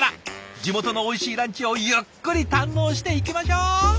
地元のおいしいランチをゆっくり堪能していきましょう。